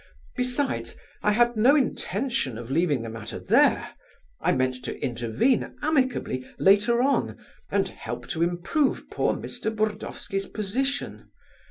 Besides, I had no intention of leaving the matter there. I meant to intervene amicably later on and help to improve poor Mr. Burdovsky's position.